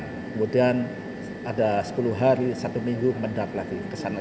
kemudian ada sepuluh hari satu minggu mendap lagi kesana